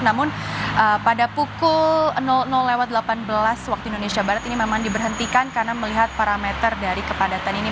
namun pada pukul delapan belas waktu indonesia barat ini memang diberhentikan karena melihat parameter dari kepadatan ini